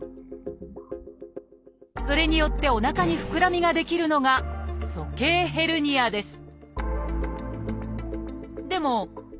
それによっておなかにふくらみが出来るのが「鼠径ヘルニア」です